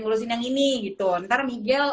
ngurusin yang ini gitu ntar miguel